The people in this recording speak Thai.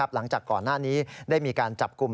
หลังจากก่อนหน้านี้ได้มีการจับกลุ่ม